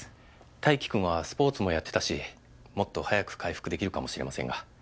泰生君はスポーツもやってたしもっと早く回復できるかもしれませんが。